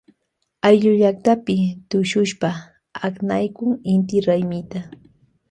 Ayllullaktapi tushushpa aknaykun inti raymita.